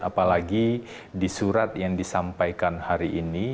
apalagi di surat yang disampaikan hari ini